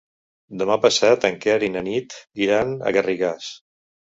Demà passat en Quer i na Nit iran a Garrigàs.